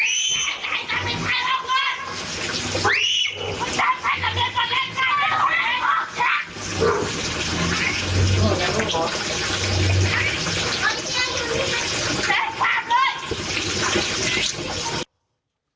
เบ็ดสืบหัวพ่าเบ็ดสืบหัวพ่าเบ็ดสืบหัวพ่า